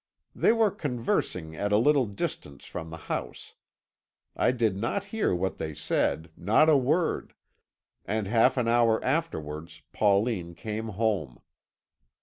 They were conversing at a little distance from the house. I did not hear what they said, not a word, and half an hour afterwards Pauline came home.